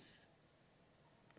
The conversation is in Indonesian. secara fair dan demokratis